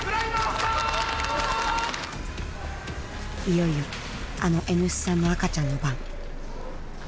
いよいよあのＮ産の赤ちゃんの番。